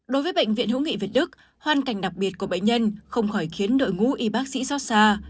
đối với bệnh viện hữu nghị việt đức hoàn cảnh đặc biệt của bệnh nhân không khỏi khiến đội ngũ y bác sĩ xót xa